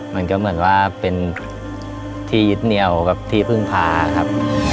มันก็เหมือนว่าเป็นที่ยึดเหนียวกับที่พึ่งพาครับ